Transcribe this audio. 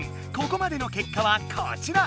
ここまでのけっかはこちら。